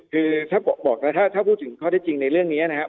คือถ้าบอกแล้วถ้าพูดถึงข้อได้จริงในเรื่องนี้นะครับ